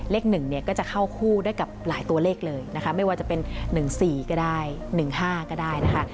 เลขหนึ่งเนี่ยก็จะเข้าคู่ด้วยกับหลายตัวเลขเลยนะคะไม่ว่าจะเป็นหนึ่งสี่ก็ได้หนึ่งห้าก็ได้นะคะ